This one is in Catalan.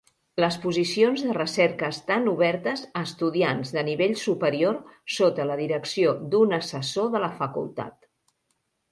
Les posicions de recerca estan obertes a estudiants de nivell superior sota la direcció d'un assessor de la facultat.